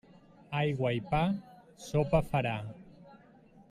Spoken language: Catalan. Aigua i pa, sopa farà.